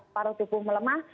paruh tubuh melemah